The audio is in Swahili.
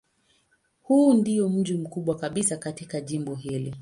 Huu ndiyo mji mkubwa kabisa katika jimbo hili.